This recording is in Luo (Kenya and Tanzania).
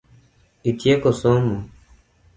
Itieko somo?